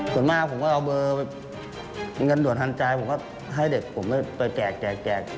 ส่วนมากผมก็เอาเบอร์ไปเงินด่วนทันใจผมก็ให้เด็กผมไปแจก